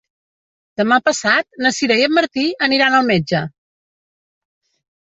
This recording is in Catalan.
Demà passat na Sira i en Martí aniran al metge.